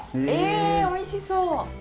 えおいしそう。